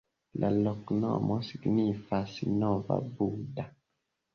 La loknomo signifas: nova-Buda.